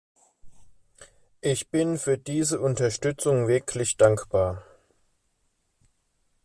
Ich bin für diese Unterstützung wirklich dankbar.